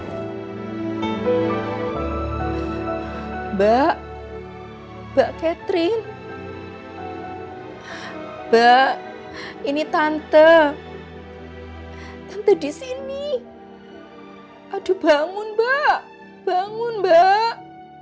mbak mbak catherine mbak ini tante di sini aduh bangun mbak bangun mbak